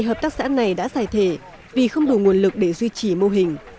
hợp tác xã này đã giải thể vì không đủ nguồn lực để duy trì mô hình